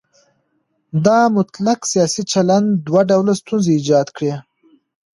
دا مطلق سیاسي چلن دوه ډوله ستونزې ایجاد کړي.